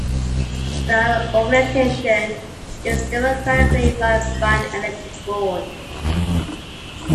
The organisation is democratically run by an elected board.